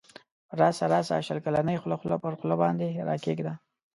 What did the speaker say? راسه راسه شل کلنی خوله خوله پر خوله باندی راکښېږده